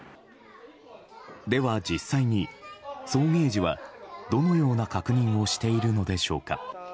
では実際に、送迎時はどのような確認をしているのでしょうか。